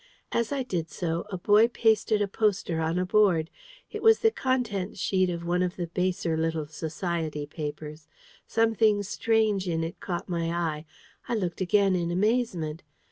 As I did so, a boy pasted a poster on a board: it was the contents sheet of one of the baser little Society papers. Something strange in it caught my eye. I looked again in amazement.